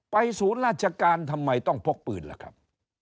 ศูนย์ราชการทำไมต้องพกปืนล่ะครับ